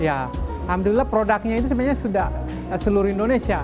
alhamdulillah produknya itu sebenarnya sudah seluruh indonesia